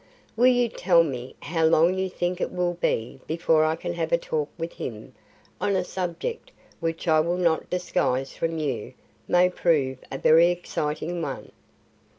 Will you tell me how long you think it will be before I can have a talk with him on a subject which I will not disguise from you may prove a very exciting one?"